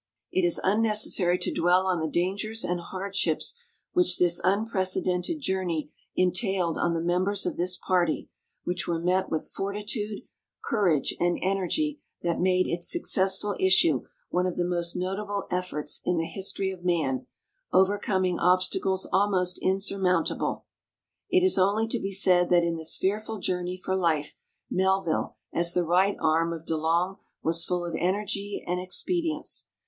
It is unnecessary to dwell on the dangers and hardships which this unprecedented journey entailed on the members of this party, which were met with fortitude, courage, and energy that made its successful issue one of the most notable efforts in the history of man, overcoming obstacles almost insurmountable. It is only to be said that in this fearful journey for life Melville, as the right arm of De Long, was full of energy and ex})edients.